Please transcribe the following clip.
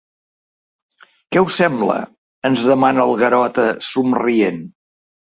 Què us sembla? —ens demana el Garota, somrient.